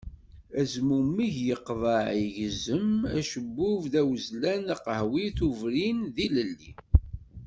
Azmumeg yeqḍeɛ igezzem, acebbub d awezzlan d aqehwi d ubrin, d ilelli.